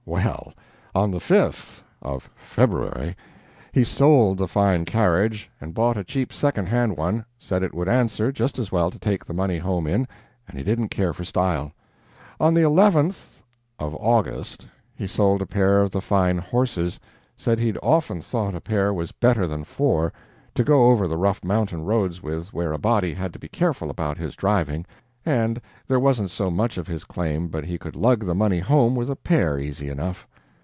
"Well, on the 5th of February, he sold the fine carriage, and bought a cheap second hand one said it would answer just as well to take the money home in, and he didn't care for style. "On the 11th of August he sold a pair of the fine horses said he'd often thought a pair was better than four, to go over the rough mountain roads with where a body had to be careful about his driving and there wasn't so much of his claim but he could lug the money home with a pair easy enough.